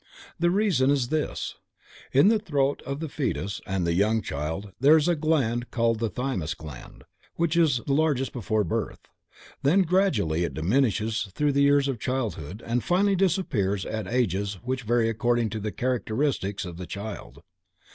The reason is this: In the throat of the fœtus and the young child there is a gland called the thymus gland, which is largest before birth, then gradually diminishes through the years of childhood and finally disappears at ages which vary according to the characteristics of the child.